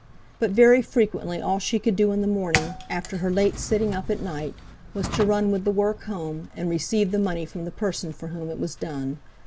But very frequently all she could do in the morning, after her late sitting up at night, was to run with the work home, and receive the money from the person for whom it was done.